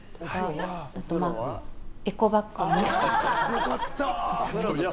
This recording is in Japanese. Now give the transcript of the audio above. よかった！